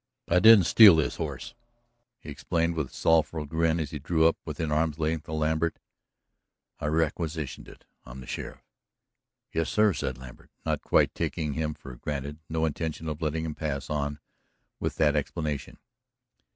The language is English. "I didn't steal this horse," he explained with a sorrowful grin as he drew up within arm's length of Lambert, "I requisitioned it. I'm the sheriff." "Yes, sir?" said Lambert, not quite taking him for granted, no intention of letting him pass on with that explanation.